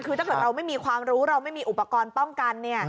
คือถ้าเกิดเราไม่มีความรู้เราไม่มีอุปกรณ์ป้องกัน